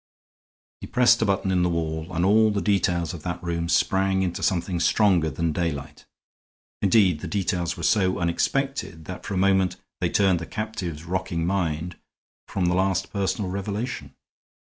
He pressed a button in the wall and all the details of that room sprang into something stronger than daylight. Indeed, the details were so unexpected that for a moment they turned the captive's rocking mind from the last personal revelation.